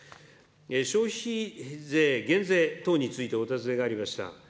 消費税減税等についてお尋ねがありました。